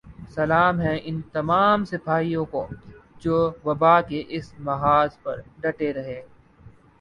سلام ہے ان تمام سپاہیوں کو جو وبا کے اس محاذ پر ڈٹے رہے